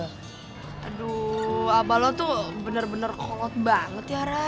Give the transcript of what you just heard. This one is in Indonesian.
aduh abah lo tuh bener bener kolot banget ya re